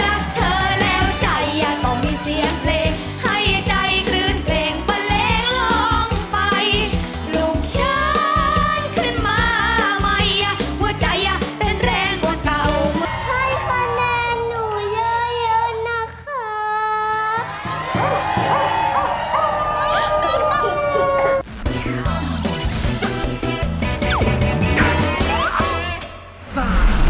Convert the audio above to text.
ให้คะแนนหนูเยอะนะคะ